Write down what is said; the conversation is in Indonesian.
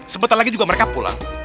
sebentar lagi juga mereka pulang